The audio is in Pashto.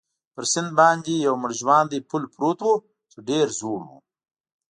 پر سیند باندې یو مړ ژواندی پل پروت وو، چې ډېر زوړ وو.